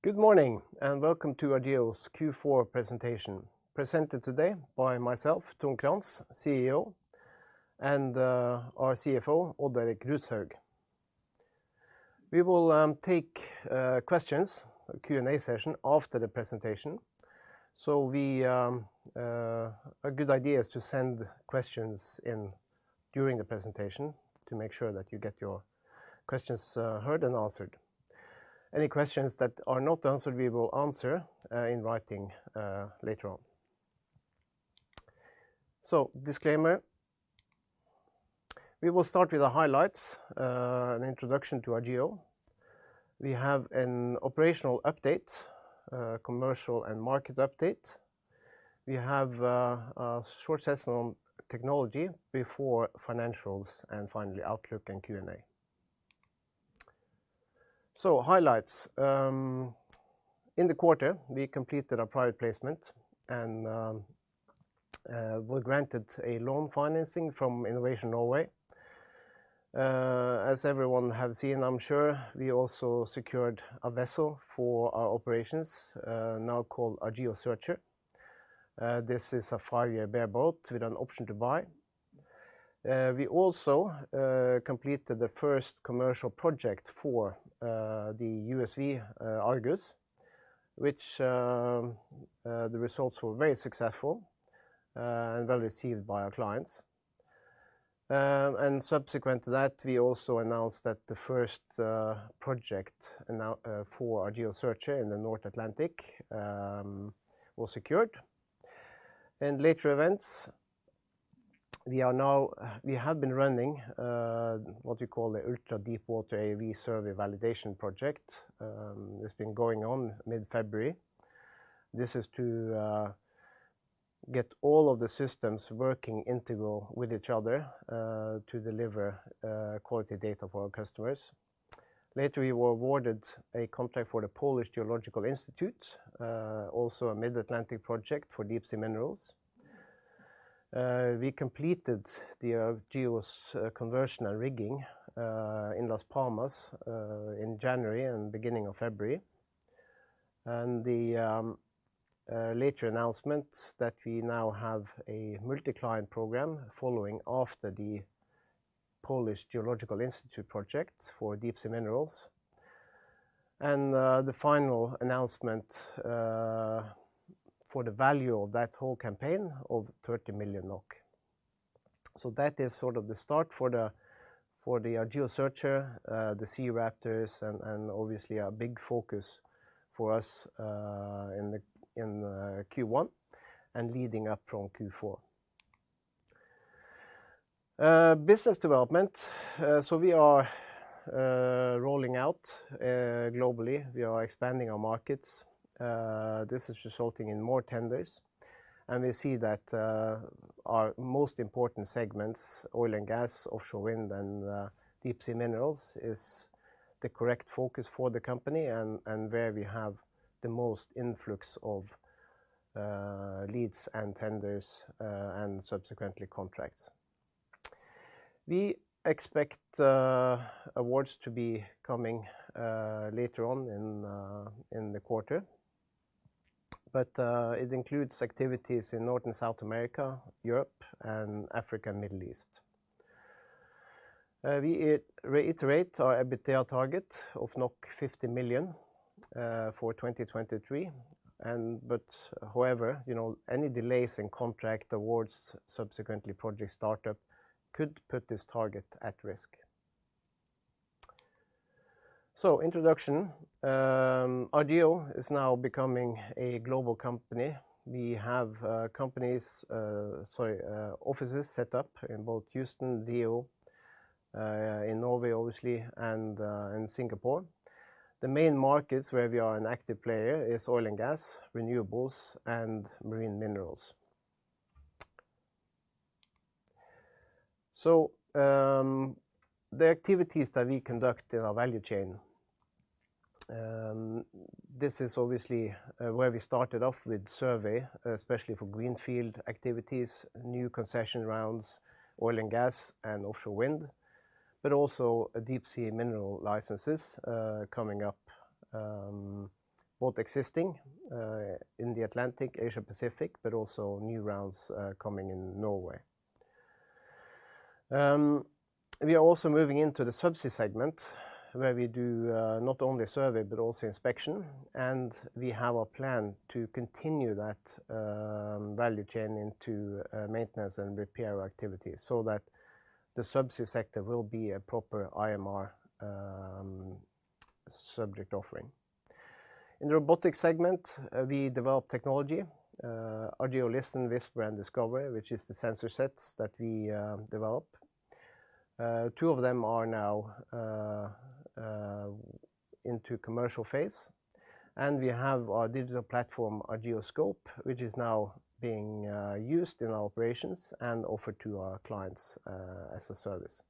Good morning, and welcome to Argeo's Q4 presentation. Presented today by myself, Trond Crantz, CEO, and our CFO, Odd Erik Rudshaug. We will take questions, a Q&A session after the presentation. A good idea is to send questions in during the presentation to make sure that you get your questions heard and answered. Any questions that are not answered, we will answer in writing later on. Disclaimer. We will start with the highlights, an introduction to Argeo. We have an operational update, commercial and market update. We have a short session on technology before financials and finally outlook and Q&A. Highlights. In the quarter, we completed our private placement and were granted a loan financing from Innovation Norway. As everyone have seen, I'm sure we also secured a vessel for our operations, now called Argeo Searcher. This is a 5-year bareboat with an option to buy. We also completed the first commercial project for the USV, Argus, which the results were very successful and well received by our clients. Subsequent to that, we also announced that the first project for Argeo Searcher in the North Atlantic was secured. Later events, we have been running what we call the ultra-deepwater AUV survey validation project. It's been going on mid-February. This is to get all of the systems working integral with each other to deliver quality data for our customers. Later, we were awarded a contract for the Polish Geological Institute, also a Mid-Atlantic project for deep sea minerals. We completed the Argus conversion and rigging in Las Palmas in January and beginning of February. The later announcements that we now have a multi-client program following after the Polish Geological Institute project for deep sea minerals. The final announcement for the value of that whole campaign of 30 million NOK. That is sort of the start for the Argeo Searcher, the SeaRaptors, and obviously a big focus for us in Q1 and leading up from Q4. Business development. We are rolling out globally. We are expanding our markets. This is resulting in more tenders, and we see that our most important segments, oil and gas, offshore wind and deep sea minerals, is the correct focus for the company and where we have the most influx of leads and tenders and subsequently contracts. We expect awards to be coming later on in the quarter, but it includes activities in North and South America, Europe and Africa, Middle East. We reiterate our EBITDA target of 50 million for 2023. However, you know, any delays in contract awards, subsequently project startup could put this target at risk. Introduction. Argeo is now becoming a global company. We have offices set up in both Houston, Rio, in Norway obviously, and in Singapore. The main markets where we are an active player is oil and gas, renewables and marine minerals. The activities that we conduct in our value chain, this is obviously where we started off with survey, especially for greenfield activities, new concession rounds, oil and gas and offshore wind, but also deep sea mineral licenses coming up, both existing in the Atlantic, Asia Pacific, but also new rounds coming in Norway. We are also moving into the subsea segment where we do not only survey but also inspection, and we have a plan to continue that value chain into maintenance and repair activities so that the subsea sector will be a proper IMR subject offering. In the robotics segment, we develop technology, Argeo LISTEN, Argeo WHISPER and Argeo DISCOVER, which is the sensor sets that we develop. Two of them are now into commercial phase, and we have our digital platform, Argeo SCOPE, which is now being used in our operations and offered to our clients as a service.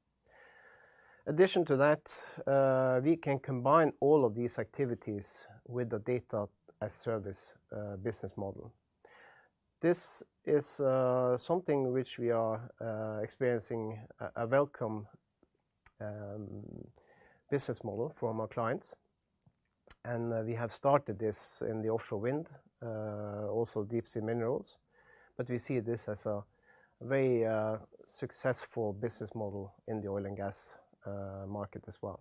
Addition to that, we can combine all of these activities with the data as service business model. This is something which we are experiencing a welcome business model from our clients, and we have started this in the offshore wind, also deep sea minerals. We see this as a very successful business model in the oil and gas market as well.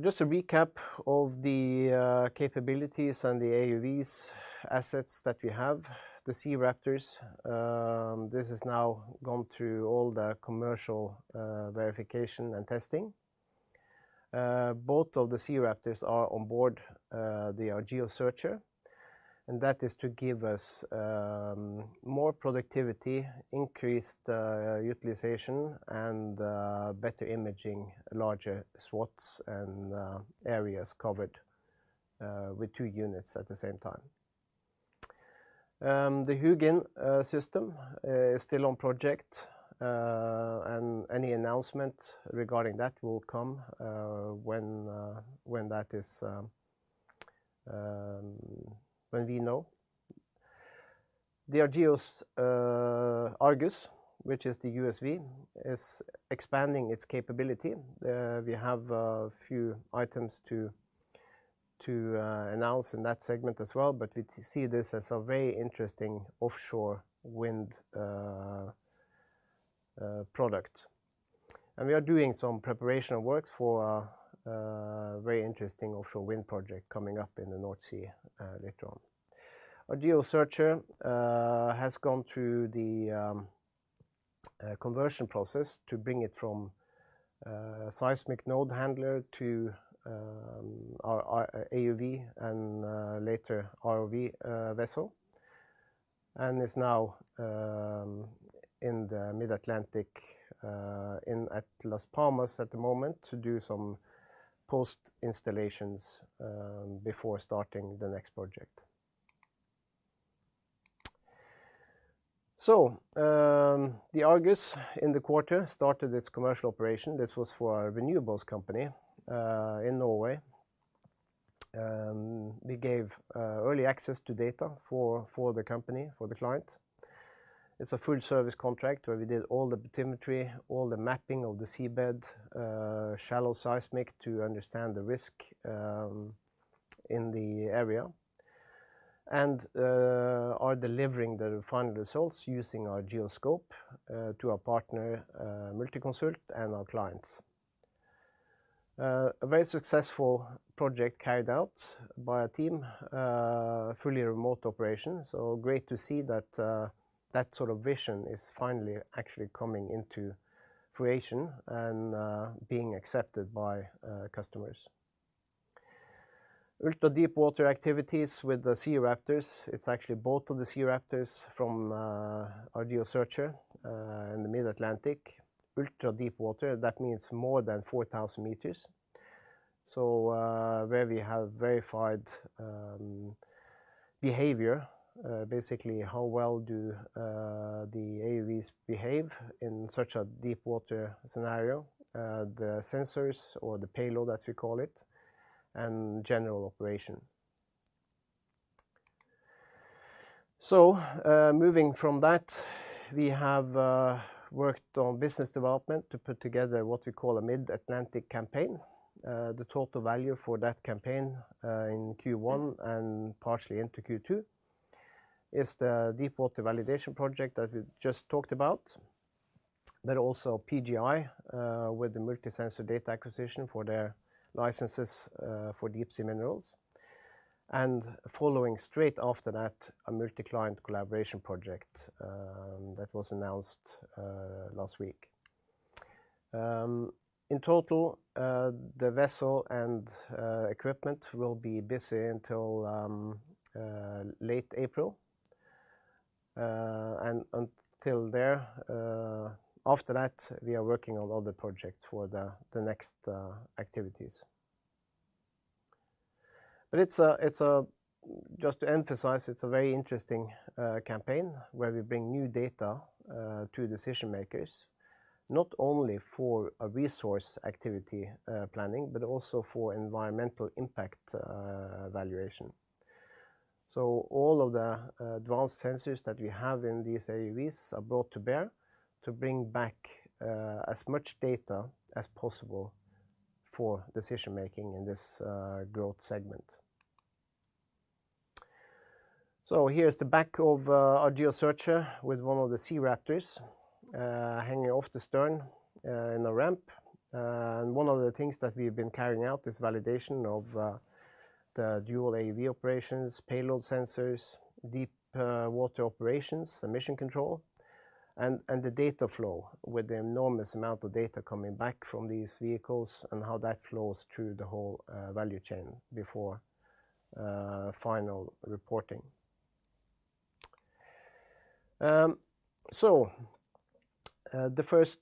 Just a recap of the capabilities and the AUVs assets that we have. The SeaRaptors, this has now gone through all the commercial verification and testing. Both of the SeaRaptors are on board the Argeo Searcher, and that is to give us more productivity, increased utilization, and better imaging, larger swaths and areas covered with two units at the same time. The Hugin system is still on project, and any announcement regarding that will come when that is when we know. The Argeo Argus, which is the USV, is expanding its capability. We have a few items to announce in that segment as well, but we see this as a very interesting offshore wind product. We are doing some preparation works for a very interesting offshore wind project coming up in the North Sea later on. Argeo Searcher has gone through the conversion process to bring it from seismic node handler to our AUV and later ROV vessel. Is now in the Mid-Atlantic, in, at Las Palmas at the moment to do some post installations before starting the next project. The Argus in the quarter started its commercial operation. This was for a renewables company in Norway. We gave early access to data for the company, for the client. It's a full service contract where we did all the bathymetry, all the mapping of the seabed, shallow seismic to understand the risk in the area. Are delivering the final results using our Argeo SCOPE to our partner, Multiconsult and our clients. A very successful project carried out by our team. Fully remote operation. Great to see that that sort of vision is finally actually coming into creation and being accepted by customers. Ultra-deep water activities with the SeaRaptors. It's actually both of the SeaRaptors from Argeo Searcher in the Mid-Atlantic. Ultra-deep water, that means more than 4,000 meters. Where we have verified behavior, basically how well do the AUVs behave in such a deep water scenario? The sensors or the payload, as we call it, and general operation. Moving from that, we have worked on business development to put together what we call a Mid-Atlantic campaign. The total value for that campaign in Q1 and partially into Q2 is the deep water validation project that we just talked about. Also PGI, with the multi-sensor data acquisition for their licenses, for deep sea minerals. Following straight after that, a multi-client collaboration project that was announced last week. In total, the vessel and equipment will be busy until late April. Until there, after that, we are working on other projects for the next activities. It's a just to emphasize, it's a very interesting campaign where we bring new data to decision-makers, not only for a resource activity planning, but also for environmental impact evaluation. All of the advanced sensors that we have in these AUVs are brought to bear to bring back as much data as possible for decision-making in this growth segment. Here's the back of Argeo Searcher with one of the SeaRaptors hanging off the stern in the ramp. One of the things that we've been carrying out is validation of the dual AUV operations, payload sensors, deep water operations, emission control, and the data flow with the enormous amount of data coming back from these vehicles and how that flows through the whole value chain before final reporting. The first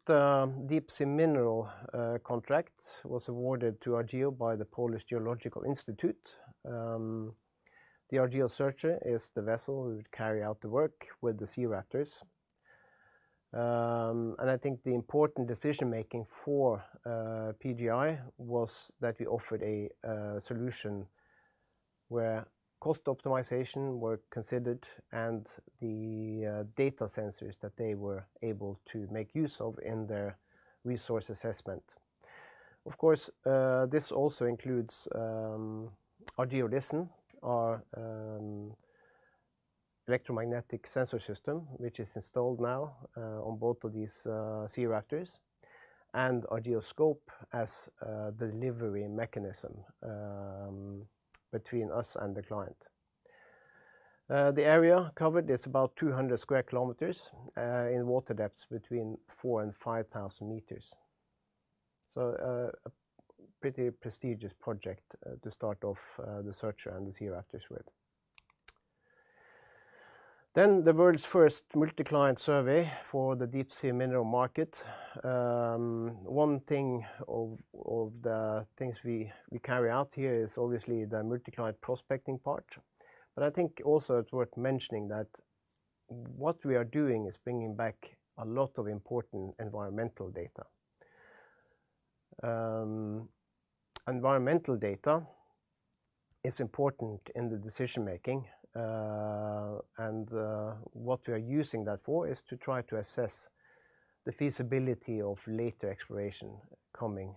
deep sea mineral contract was awarded to Argeo by the Polish Geological Institute. The Argeo Searcher is the vessel. We would carry out the work with the SeaRaptors. I think the important decision-making for PGI was that we offered a solution where cost optimization were considered and the data sensors that they were able to make use of in their resource assessment. Of course, this also includes Argeo LISTEN, our electromagnetic sensor system, which is installed now on both of these SeaRaptors, and Argeo SCOPE as a delivery mechanism between us and the client. The area covered is about 200 sq km in water depths between 4,000 and 5,000 m. A pretty prestigious project to start off the search around the SeaRaptors with. The world's first multi-client survey for the deep sea mineral market. One thing of the things we carry out here is obviously the multi-client prospecting part. I think also it's worth mentioning that what we are doing is bringing back a lot of important environmental data. Environmental data is important in the decision-making, and what we are using that for is to try to assess the feasibility of later exploration coming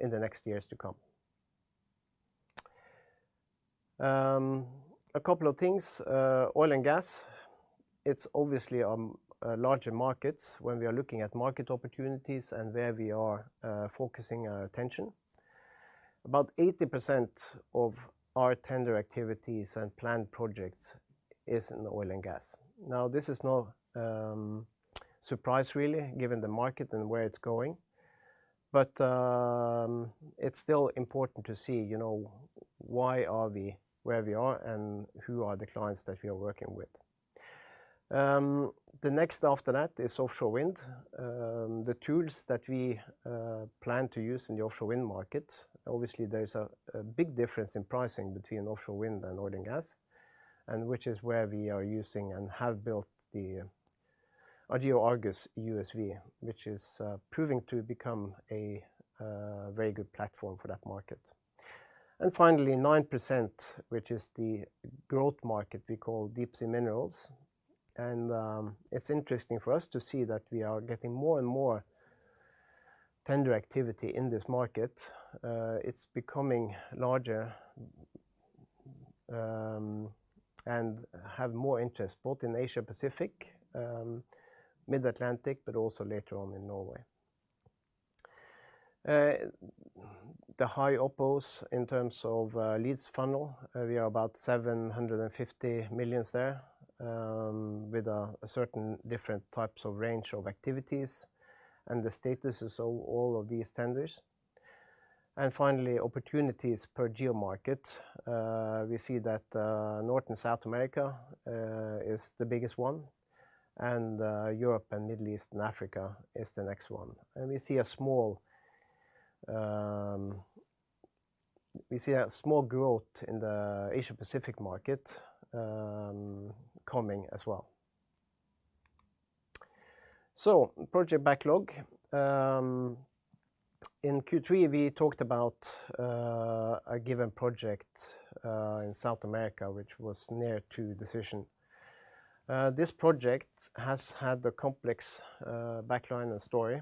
in the next years to come. A couple of things, oil and gas. It's obviously larger markets when we are looking at market opportunities and where we are focusing our attention. About 80% of our tender activities and planned projects is in oil and gas. This is no surprise really given the market and where it's going, but it's still important to see, you know, why are we where we are and who are the clients that we are working with. The next after that is offshore wind. The tools that we plan to use in the offshore wind market, obviously there's a big difference in pricing between offshore wind and oil and gas, and which is where we are using and have built the Argeo Argus USV, which is proving to become a very good platform for that market. Finally, 9%, which is the growth market we call deep sea minerals. It's interesting for us to see that we are getting more and more tender activity in this market. It's becoming larger, and have more interest both in Asia-Pacific, Mid-Atlantic, but also later on in Norway. The high oppos in terms of leads funnel, we are about 750 million there, with a certain different types of range of activities and the statuses of all of these tenders. Finally, opportunities per geo market. We see that North and South America is the biggest one, Europe and Middle East and Africa is the next one. We see a small growth in the Asia-Pacific market coming as well. Project backlog. In Q3 we talked about a given project in South America which was near to decision. This project has had a complex background and story.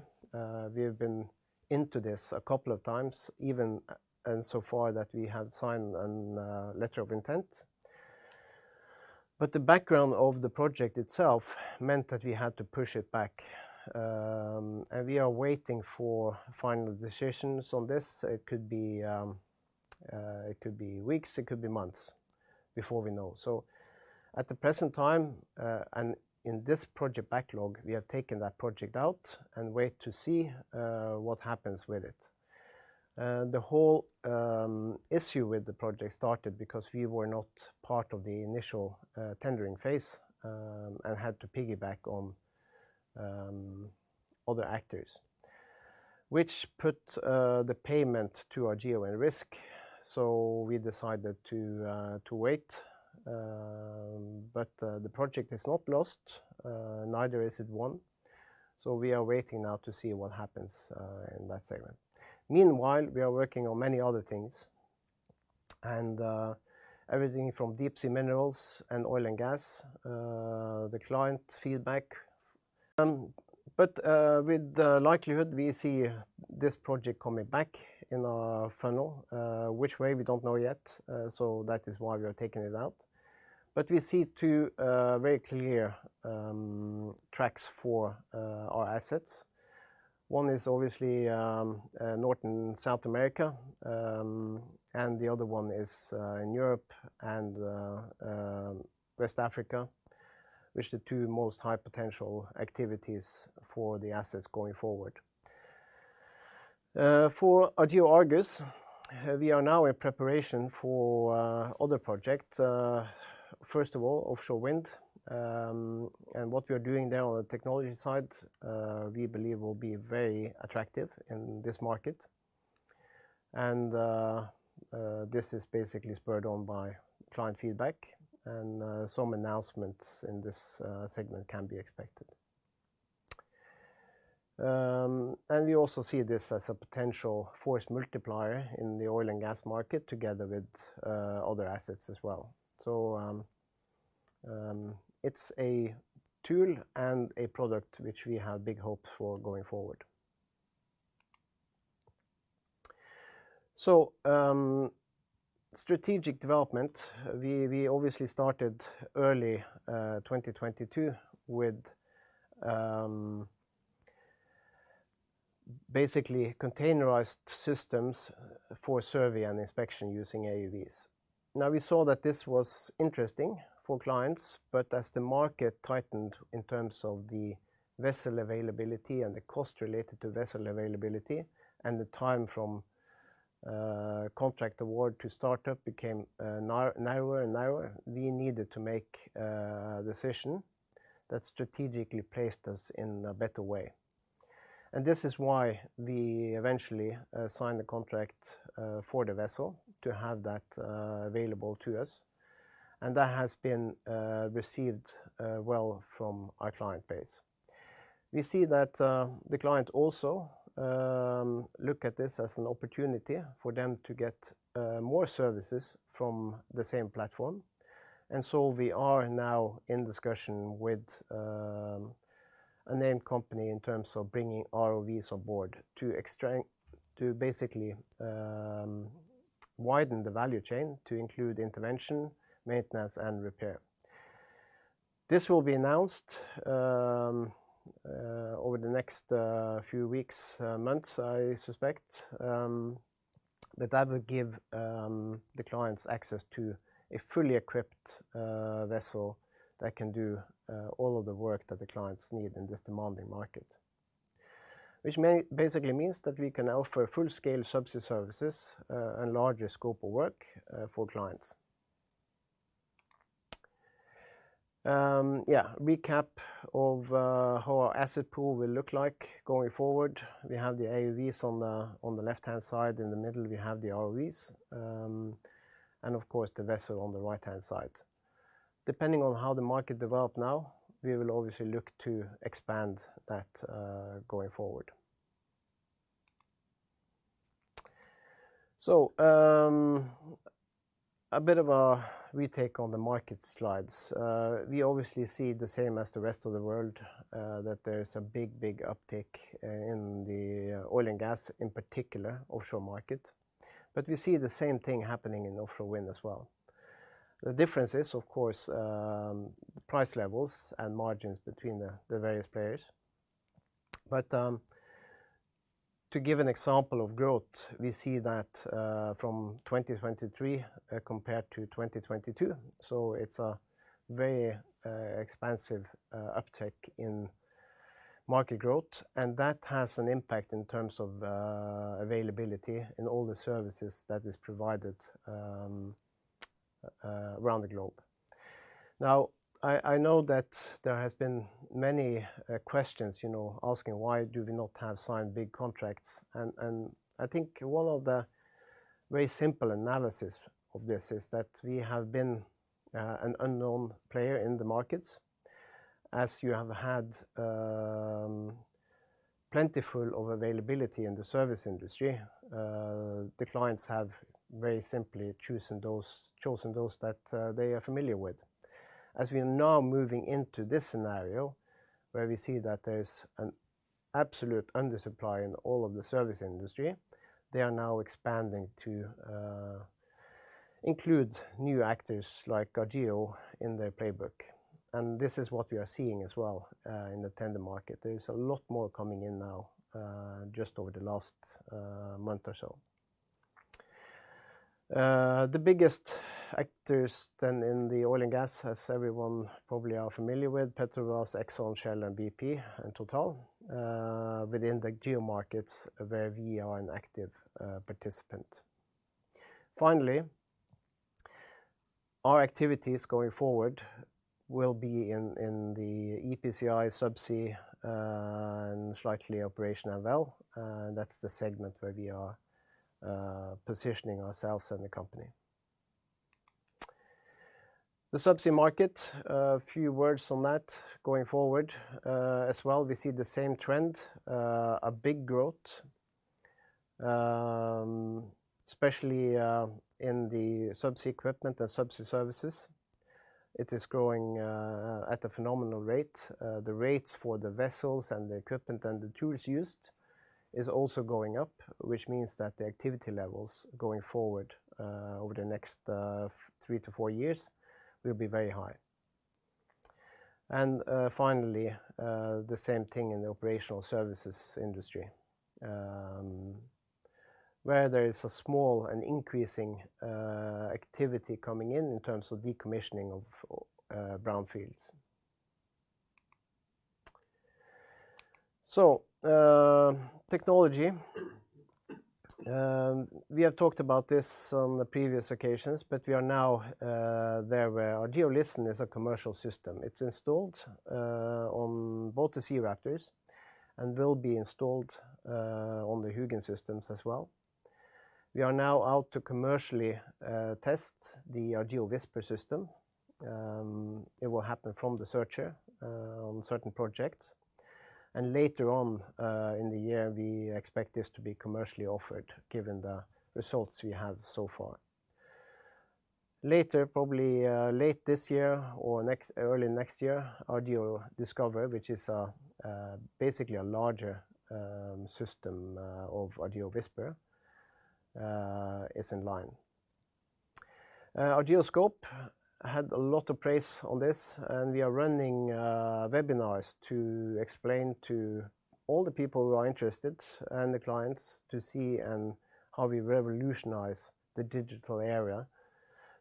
We have been into this a couple of times even and so far that we have signed an letter of intent. The background of the project itself meant that we had to push it back, and we are waiting for final decisions on this. It could be weeks, it could be months before we know. At the present time, and in this project backlog, we have taken that project out and wait to see what happens with it. The whole issue with the project started because we were not part of the initial tendering phase, and had to piggyback on other actors, which put the payment to Argeo in risk. We decided to wait, but the project is not lost, neither is it won. We are waiting now to see what happens in that segment. Meanwhile, we are working on many other things and everything from deep sea minerals and oil and gas, the client feedback. With the likelihood we see this project coming back in our funnel, which way we don't know yet, that is why we are taking it out. We see two very clear tracks for our assets. One is obviously North and South America, and the other one is in Europe and West Africa, which the two most high potential activities for the assets going forward. For Argeo Argus, we are now in preparation for other projects. First of all, offshore wind, and what we are doing there on the technology side, we believe will be very attractive in this market. This is basically spurred on by client feedback, and some announcements in this segment can be expected. We also see this as a potential force multiplier in the oil and gas market together with other assets as well. It's a tool and a product which we have big hopes for going forward. Strategic development, we obviously started early, 2022 with basically containerized systems for survey and inspection using AUVs. We saw that this was interesting for clients, but as the market tightened in terms of the vessel availability and the cost related to vessel availability and the time from contract award to startup became narrower and narrower, we needed to make a decision that strategically placed us in a better way. This is why we eventually signed the contract for the vessel to have that available to us. That has been received well from our client base. We see that the client also look at this as an opportunity for them to get more services from the same platform. We are now in discussion with a named company in terms of bringing ROVs on board to basically widen the value chain to include intervention, maintenance, and repair. This will be announced over the next few weeks, months, I suspect. But that will give the clients access to a fully equipped vessel that can do all of the work that the clients need in this demanding market. Basically means that we can offer full-scale subsea services and larger scope of work for clients. Yeah, recap of how our asset pool will look like going forward. We have the AUVs on the, on the left-hand side. In the middle, we have the ROVs, and of course, the vessel on the right-hand side. Depending on how the market develop now, we will obviously look to expand that going forward. A bit of a retake on the market slides. We obviously see the same as the rest of the world that there is a big, big uptick in the oil and gas, in particular offshore market. We see the same thing happening in offshore wind as well. The difference is, of course, price levels and margins between the various players. To give an example of growth, we see that from 2023 compared to 2022. It's a very expansive uptick in market growth, and that has an impact in terms of availability in all the services that is provided around the globe. I know that there has been many questions, you know, asking why do we not have signed big contracts. I think one of the very simple analysis of this is that we have been an unknown player in the markets. As you have had plentiful of availability in the service industry, the clients have very simply chosen those that they are familiar with. As we are now moving into this scenario where we see that there is an absolute undersupply in all of the service industry, they are now expanding to include new actors like Argeo in their playbook. This is what we are seeing as well in the tender market. There is a lot more coming in now just over the last month or so. The biggest actors then in the oil and gas, as everyone probably are familiar with, Petrobras, Exxon, Shell, and BP, and Total, within the GEO markets where we are an active participant. Finally, our activities going forward will be in the EPCI subsea and slightly operational well. That's the segment where we are positioning ourselves and the company. The subsea market, a few words on that going forward. As well, we see the same trend, a big growth, especially in the subsea equipment and subsea services. It is growing at a phenomenal rate. The rates for the vessels and the equipment and the tools used is also going up, which means that the activity levels going forward, over the next three to four years will be very high. Finally, the same thing in the operational services industry, where there is a small and increasing activity coming in in terms of decommissioning of brownfields. Technology, we have talked about this on the previous occasions, but we are now there where Argeo LISTEN is a commercial system. It's installed on both the SeaRaptors and will be installed on the Hugin systems as well. We are now out to commercially test the Argeo WHISPER system. It will happen from the Argeo Searcher on certain projects. Later on, in the year, we expect this to be commercially offered given the results we have so far. Later, probably, late this year or early next year, Argeo DISCOVER, which is basically a larger system of Argeo WHISPER, is in line. Argeo SCOPE had a lot of praise on this. We are running webinars to explain to all the people who are interested and the clients to see and how we revolutionize the digital area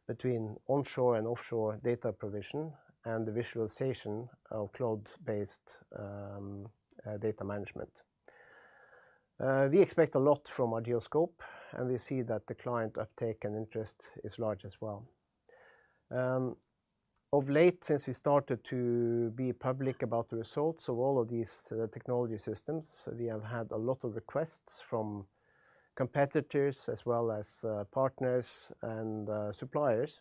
between onshore and offshore data provision and the visualization of cloud-based data management. We expect a lot from Argeo SCOPE, and we see that the client uptake and interest is large as well. Of late, since we started to be public about the results of all of these technology systems, we have had a lot of requests from competitors as well as partners and suppliers,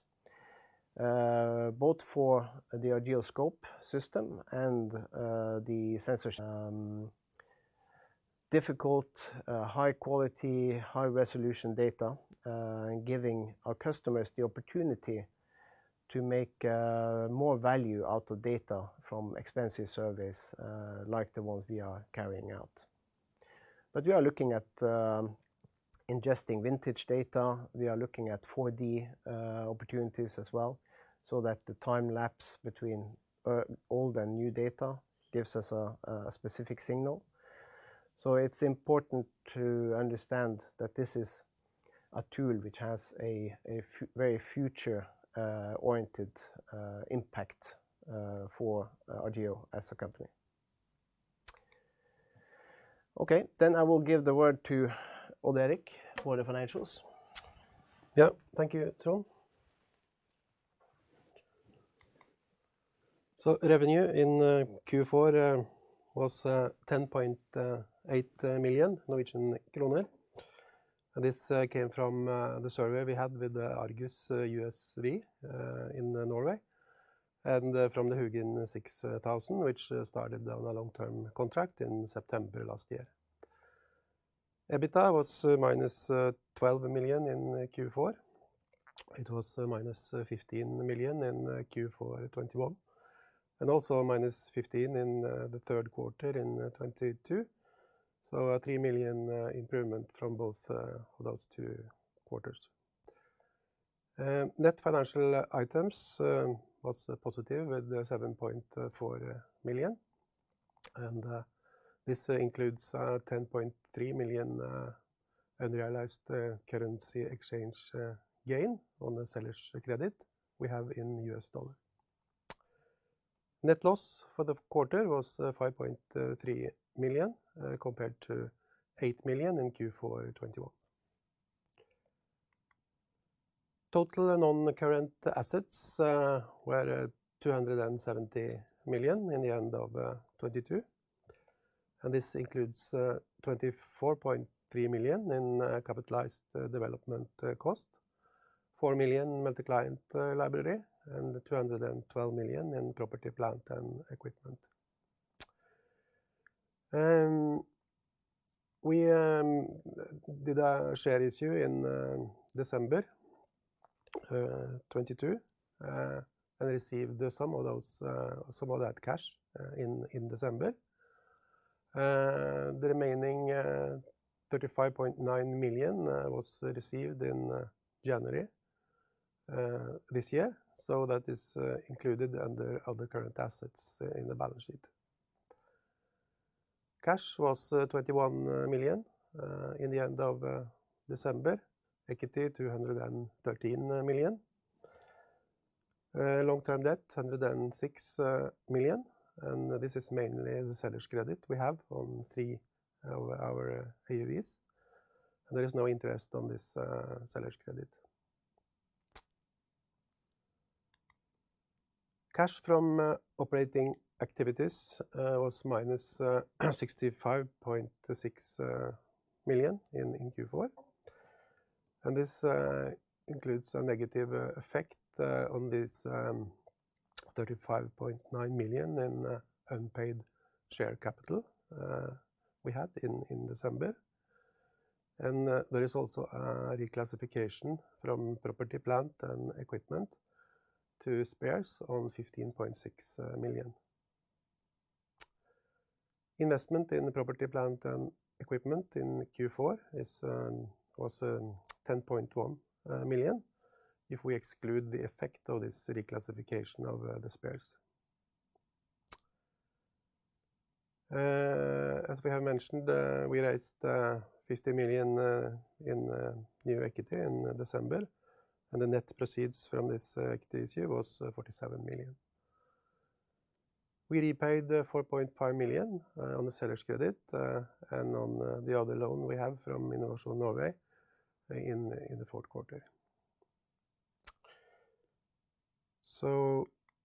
both for the Argeo SCOPE system and the sensor system. Difficult, high quality, high resolution data, giving our customers the opportunity to make more value out of data from expensive surveys, like the ones we are carrying out. We are looking at ingesting vintage data. We are looking at 4D opportunities as well, so that the time lapse between old and new data gives us a specific signal. It's important to understand that this is a tool which has a very future oriented impact for Argeo as a company. Okay. I will give the word to Odd Erik for the financials. Yeah. Thank you, Trond. Revenue in Q4 was 10.8 million Norwegian kroner. This came from the survey we had with the Argus USV in Norway, and from the Hugin 6000, which started on a long-term contract in September last year. EBITDA was minus 12 million in Q4. It was minus 15 million in Q4 2021, and also minus 15 million in the third quarter in 2022, so a 3 million improvement from both those two quarters. Net financial items was positive at 7.4 million, and this includes $10.3 million unrealized currency exchange gain on the seller's credit we have in U.S. dollar. Net loss for the quarter was 5.3 million compared to 8 million in Q4 2021. Total and non-current assets were 270 million in the end of 2022, and this includes 24.3 million in capitalized development cost, 4 million multi-client library, and 212 million in property, plant, and equipment. We did a share issue in December 2022 and received some of that cash in December. The remaining 35.9 million was received in January this year, so that is included under other current assets in the balance sheet. Cash was 21 million in the end of December. Equity, 213 million. Long-term debt, 106 million, and this is mainly the seller's credit we have on three of our AUVs. There is no interest on this seller's credit. Cash from operating activities was minus 65.6 million in Q4, this includes a negative effect on this 35.9 million in unpaid share capital we had in December. There is also a reclassification from property, plant, and equipment to spares on 15.6 million. Investment in property, plant, and equipment in Q4 was 10.1 million if we exclude the effect of this reclassification of the spares. As we have mentioned, we raised 50 million in new equity in December, the net proceeds from this equity issue was 47 million. We repaid 4.5 million on the seller's credit and on the other loan we have from Innovation Norway in the fourth quarter.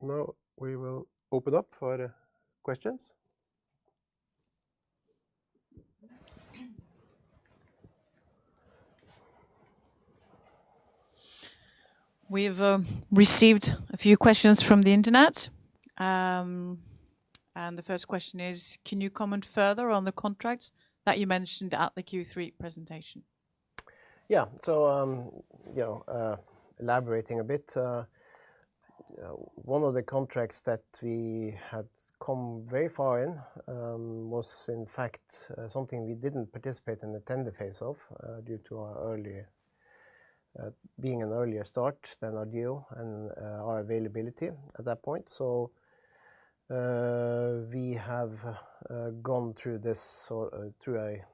Now we will open up for the questions. We've received a few questions from the internet. The first question is: can you comment further on the contracts that you mentioned at the Q3 presentation? Yeah. You know, elaborating a bit, one of the contracts that we had come very far in, was in fact, something we didn't participate in the tender phase of, due to our early, being an earlier start than Argeo and our availability at that point. We have gone through this through a,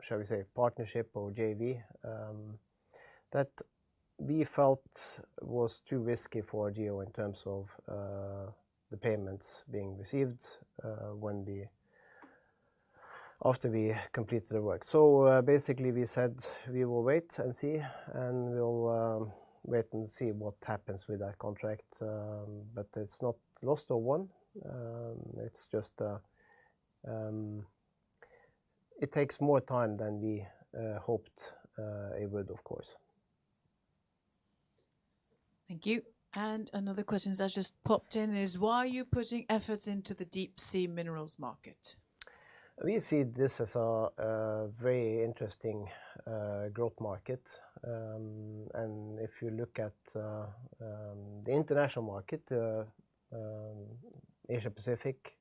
shall we say, partnership or JV, that we felt was too risky for Argeo in terms of the payments being received after we completed the work. Basically we said we will wait and see, and we'll wait and see what happens with that contract. But it's not lost or won. It's just it takes more time than we hoped it would, of course. Thank you. Another question that just popped in is why are you putting efforts into the deep sea minerals market? We see this as a very interesting growth market. If you look at the international market, Asia-Pacific,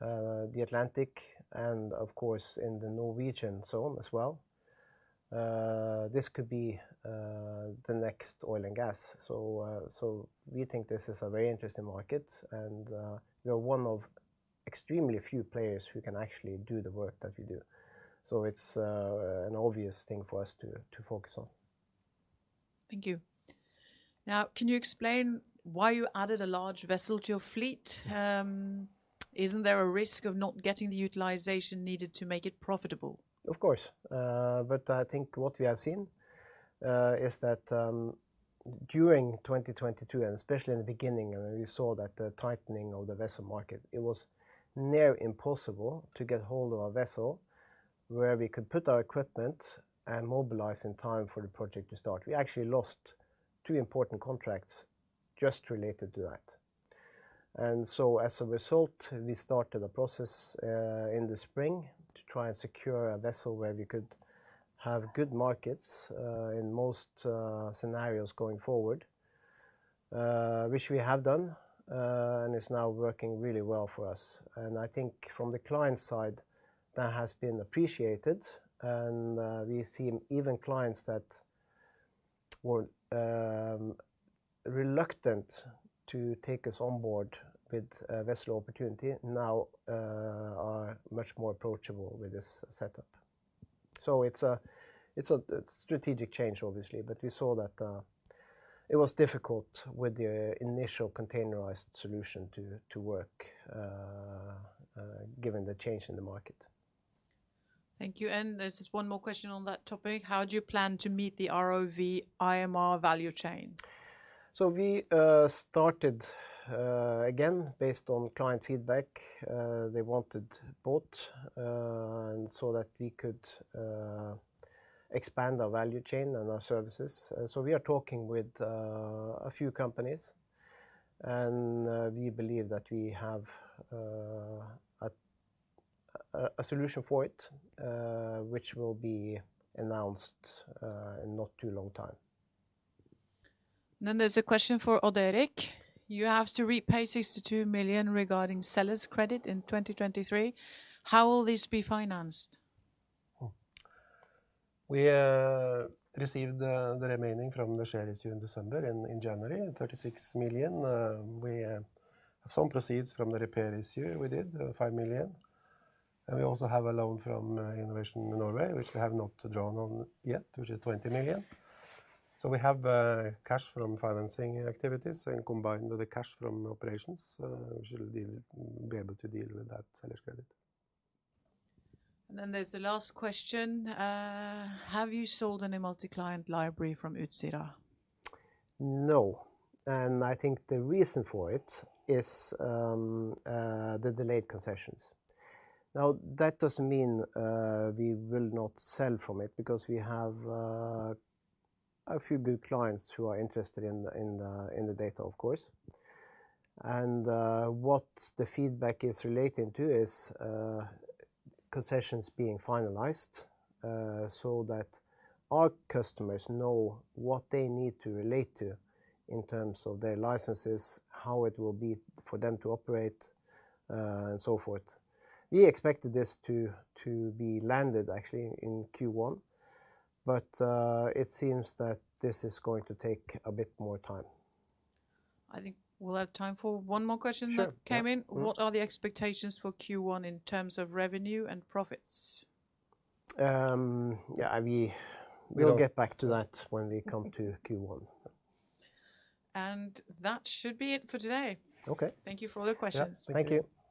the Atlantic, and of course in the Norwegian zone as well, this could be the next oil and gas. We think this is a very interesting market and we are one of extremely few players who can actually do the work that we do. It's an obvious thing for us to focus on. Thank you. Now, can you explain why you added a large vessel to your fleet? Isn't there a risk of not getting the utilization needed to make it profitable? Of course. I think what we have seen is that during 2022, and especially in the beginning when we saw that the tightening of the vessel market, it was near impossible to get hold of a vessel where we could put our equipment and mobilize in time for the project to start. We actually lost two important contracts just related to that. As a result, we started a process in the spring to try and secure a vessel where we could have good markets in most scenarios going forward, which we have done, and it's now working really well for us. I think from the client side, that has been appreciated and we've seen even clients that were reluctant to take us on board with a vessel opportunity now are much more approachable with this setup. It's a, it's a strategic change obviously, but we saw that it was difficult with the initial containerized solution to work given the change in the market. Thank you. There's just one more question on that topic. How do you plan to meet the ROV IMR value chain? We started again, based on client feedback, they wanted both, and so that we could expand our value chain and our services. We are talking with a few companies and we believe that we have a solution for it, which will be announced in not too long time. There's a question for Odd Erik. You have to repay 62 million regarding seller's credit in 2023. How will this be financed? We received the remaining from the share issue in December. In January, 36 million, we some proceeds from the repair issue we did, 5 million. We also have a loan from Innovation Norway, which we have not drawn on yet, which is 20 million. We have cash from financing activities and combined with the cash from operations, we should be able to deal with that seller's credit. There's the last question. Have you sold any multi-client library from Utsira? No, I think the reason for it is, the delayed concessions. Now, that doesn't mean we will not sell from it because we have a few good clients who are interested in the data of course. What the feedback is relating to is, concessions being finalized, so that our customers know what they need to relate to in terms of their licenses, how it will be for them to operate, and so forth. We expected this to be landed actually in Q1, but it seems that this is going to take a bit more time. I think we'll have time for one more question. Sure. Yeah. That came in. Mm-hmm. What are the expectations for Q1 in terms of revenue and profits? Yeah, I. Yeah. Get back to that when we come to Q1. That should be it for today. Okay. Thank you for all the questions. Yeah. Thank you.